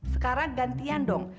sekarang gantian dong